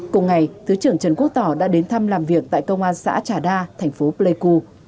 cùng ngày thứ trưởng trần quốc tỏ đã đến thăm làm việc tại công an xã trà đa thành phố pleiku